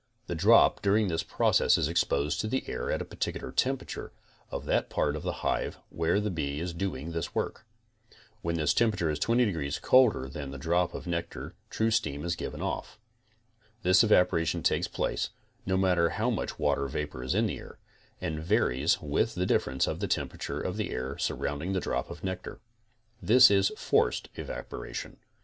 t The drop during this process is exposed to the air at the particular temperature of that part of the hive where the bee is doing this work. When this temperature is 20 degrees colder than the drop of nectar true steam is given off. This evaporation takes place, no matter how much water vapor is in the air, and varies with the difference of the temperature of the air surrounding the drop of nectar. This is forced evaporation.